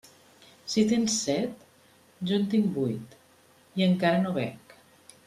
Si tens set, jo en tic vuit i encara no bec.